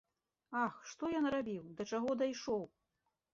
Ах, што я нарабіў, да чаго дайшоў!